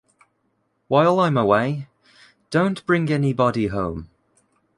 While I’m away, don’t bring anybody home.